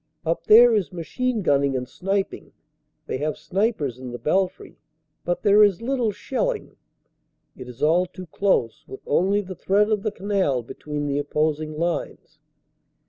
Up there is machine gunning and sniping they have snipers in the belfry but there is little shelling. It is all too close with only the thread of the canal between the oppos ing lines.